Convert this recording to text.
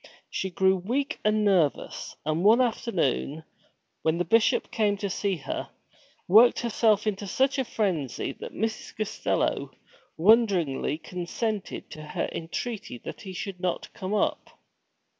She grew weak and nervous, and one afternoon, when the Bishop came to see her, worked herself into such a frenzy that Mrs. Costello wonderingly consented to her entreaty that he should not come up.